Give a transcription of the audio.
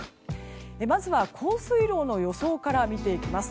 まずは、降水量の予想から見ていきます。